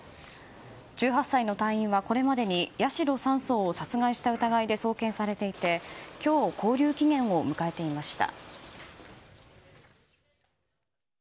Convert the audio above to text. １８歳の隊員はこれまでに八代３曹を殺害した疑いで送検されていて今日、勾留期限を迎えていました。